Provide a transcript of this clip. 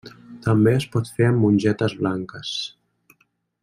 També es pot fer amb mongetes blanques.